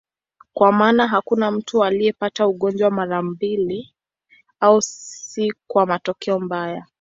Kwa maana hakuna mtu aliyepata ugonjwa mara ya pili, au si kwa matokeo mbaya.